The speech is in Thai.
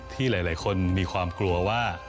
ที่หลายคนมีความกลัวว่า